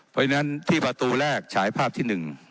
เพราะฉะนั้นที่ประตูแรกฉายภาพที่๑